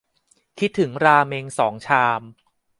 คิดถึงราเม็งสองชาม